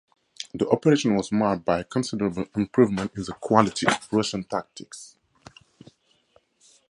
The operation was marked by a considerable improvement in the quality of Russian tactics.